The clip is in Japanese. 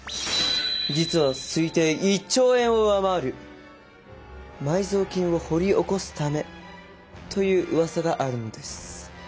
実は推定１兆円を上回る埋蔵金を掘り起こすためといううわさがあるのです。